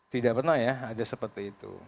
tidak pernah ya ada seperti itu